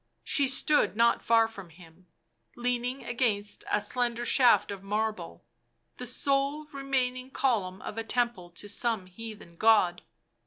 She stood not far from him, leaning against a slender shaft of marble, the sole remaining column of a temple to some heathen god.